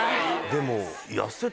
でも。